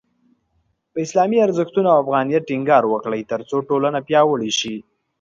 په اسلامي ارزښتونو او افغانیت ټینګار وکړئ، ترڅو ټولنه پیاوړې شي.